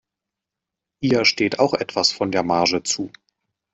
Ihr steht auch etwas von der Marge zu.